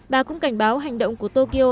bà cũng cảnh báo hành động của tokyo